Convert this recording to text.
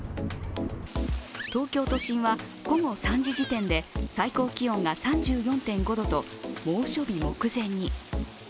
東京都心は午後３時時点で最高気温が３４．５度と猛暑日目前に。